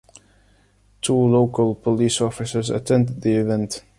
Two local police officers attended the event.